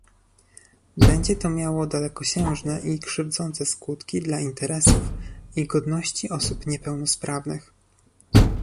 Będzie to miało dalekosiężne i krzywdzące skutki dla interesów i godności osób niepełnosprawnych